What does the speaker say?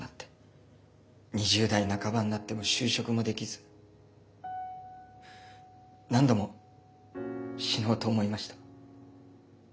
２０代半ばになっても就職もできず何度も死のうと思いました。